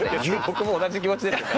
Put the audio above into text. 僕も同じ気持ちですよ。